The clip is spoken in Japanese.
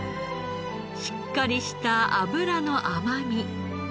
しっかりした脂の甘み。